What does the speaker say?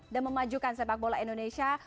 dan memajukan sepak bola indonesia